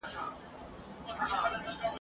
خو هرګوره د انسان دغه آیین دی ..